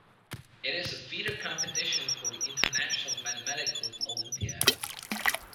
It is a feeder competition for the International Mathematical Olympiad.